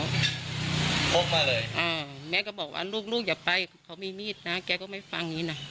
พกมาเลยอ่าแม่ก็บอกว่าลูกอย่าไปเขามีมีดนะแกก็ไม่ฟังอย่างนี้นะ